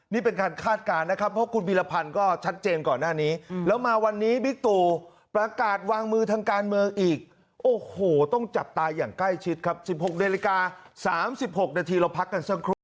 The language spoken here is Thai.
นี่เป็นการคาดการณ์นะครับเพราะคุณพิรพันธ์ก็ชัดเจนก่อนหน้านี้แล้วมาวันนี้บิ๊กตูประกาศวางมือทางการเมืองอีกโอ้โหต้องจับตาอย่างใกล้ชิดครับ๑๖นาฬิกา๓๖นาทีเราพักกันสักครู่